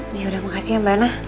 yaudah makasih ya mbak nah